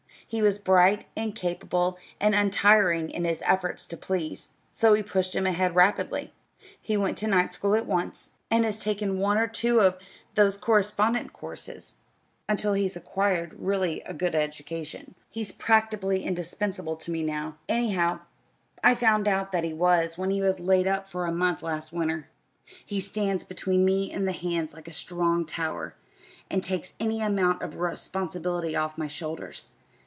He was bright and capable, and untiring in his efforts to please, so we pushed him ahead rapidly. He went to night school at once, and has taken one or two of those correspondence courses until he's acquired really a good education. "He's practically indispensable to me now anyhow, I found out that he was when he was laid up for a month last winter. He stands between me and the hands like a strong tower, and takes any amount of responsibility off my shoulders.